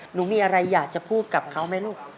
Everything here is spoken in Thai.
หนูมีอะไรอยากจะพูดกับเขาไหมลูก